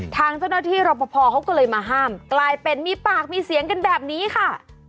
ทางเจ้าหน้าที่รอปภเขาก็เลยมาห้ามกลายเป็นมีปากมีเสียงกันแบบนี้ค่ะ